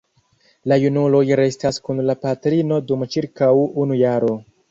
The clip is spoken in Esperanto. La junuloj restas kun la patrino dum ĉirkaŭ unu jaro.